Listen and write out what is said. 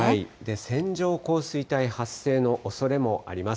線状降水帯発生のおそれもあります。